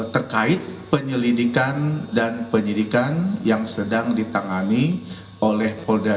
terkait penyelidikan dan penyidikan yang sedang ditangani oleh polda